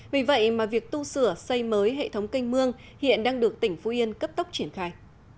vì vậy mà việc tu sửa xây mới hệ thống canh mương hiện đang được tỉnh phú yên cấp tốc triển khai